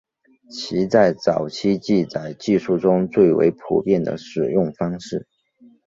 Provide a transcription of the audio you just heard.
其在早期记载技术中为最为普遍的使用方式。